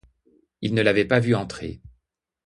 Il ne l'avait pas vue entrer.